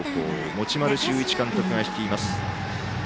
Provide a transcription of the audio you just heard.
持丸修一監督が率います。